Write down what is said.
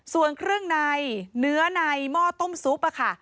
ส่วนเครื่องในเนื้อในหม้อต้มซุปค่ะ